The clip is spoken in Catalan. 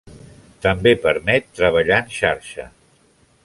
També permet treballar en xarxa.